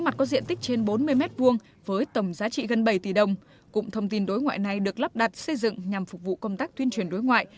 tầm bốn mươi m hai với tầm giá trị gần bảy tỷ đồng cụng thông tin đối ngoại này được lắp đặt xây dựng nhằm phục vụ công tác tuyên truyền đối ngoại